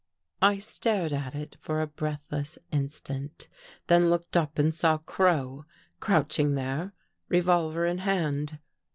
I stared at it for a breathless instant, then looked up and saw Crow crouching there, revolver in hand.